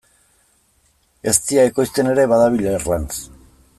Eztia ekoizten ere badabil Erlanz.